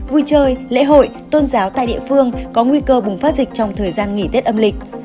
vui chơi lễ hội tôn giáo tại địa phương có nguy cơ bùng phát dịch trong thời gian nghỉ tết âm lịch